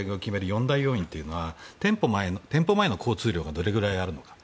４大要因は店舗前の交通量がどれぐらいあるのか